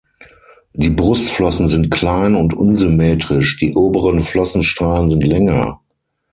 Die Brustflossen sind klein und unsymmetrisch, die oberen Flossenstrahlen sind länger.